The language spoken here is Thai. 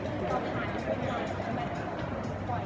พี่แม่ที่เว้นได้รับความรู้สึกมากกว่า